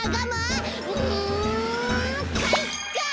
うんかいか！